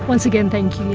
once again thank you ya